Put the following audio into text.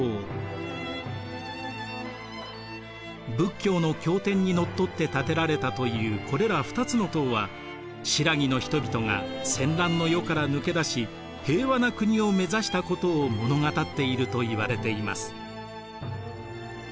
仏教の経典にのっとって建てられたというこれら２つの塔は新羅の人々が戦乱の世から抜け出し平和な国を目指したことを物語っているといわれています。